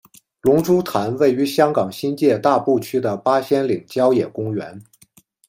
龙珠潭位于香港新界大埔区的八仙岭郊野公园。